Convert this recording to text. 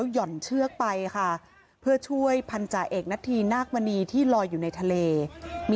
โอ้โฮโอ้โฮโอ้โฮโอ้โฮโอ้โฮโอ้โฮโอ้โฮโอ้โฮ